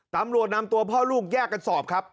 ตำรวจนำตัวพ่อลูกแยกกันสอบครับ